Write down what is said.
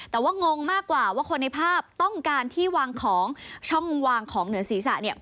แต่ว่างงมากกว่าว่าคนในภาพต้องการที่วางของช่องวางของเหนือศีรษะเนี่ย